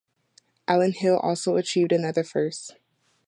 Allen Hill also achieved another first.